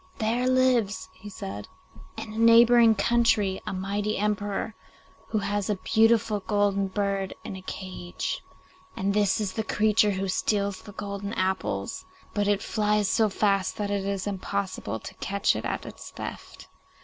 'There lives,' he said, 'in a neighbouring country, a mighty emperor who has a beautiful golden bird in a cage, and this is the creature who steals the golden apples, but it flies so fast that it is impossible to catch it at its theft.